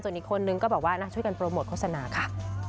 ส่วนอีกคนนึงก็บอกว่าช่วยกันโปรโมทโฆษณาค่ะ